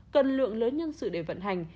cần lượng lớn nhân sự để vận hành